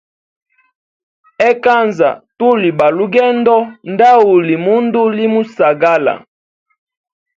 Ekanza tuli ba lugendo, ndauli mundu limusagala.